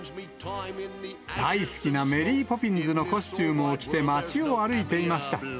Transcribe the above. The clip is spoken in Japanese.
大好きなメリー・ポピンズのコスチュームを着て街を歩いていました。